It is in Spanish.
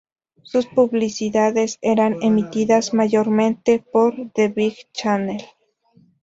Sus publicidades eran emitidas mayormente por The Big Channel.